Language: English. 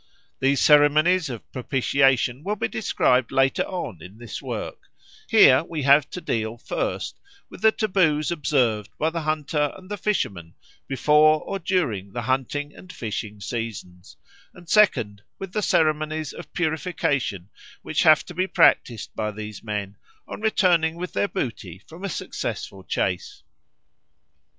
These ceremonies of propitiation will be described later on in this work; here we have to deal, first, with the taboos observed by the hunter and the fisherman before or during the hunting and fishing seasons, and, second, with the ceremonies of purification which have to be practised by these men on returning with their booty from a successful chase.